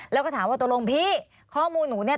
แล้วก็ถามว่าตกลงพี่ข้อมูลหนูเนี่ย